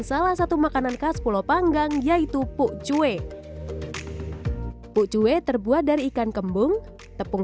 salah satu makanan khas pulau panggang yaitu pucuwe pucuwe terbuat dari ikan kembung tepung